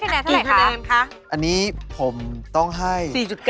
ให้คะแนนเท่าไหร่คะอันนี้ผมต้องให้